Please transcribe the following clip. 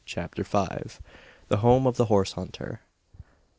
CHAPTER FIVE. THE HOME OF THE HORSE HUNTER.